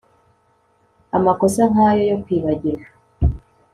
amakosa nkayo yo kwibagirwa